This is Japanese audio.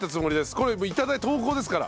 これ投稿ですから。